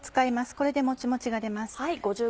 これでもちもちが出ます。